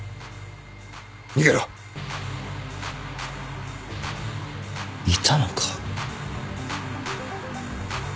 逃げろ！いたのか。